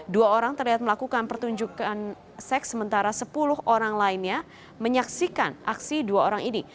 dua orang terlihat melakukan pertunjukan seks sementara sepuluh orang lainnya menyaksikan aksi dua orang ini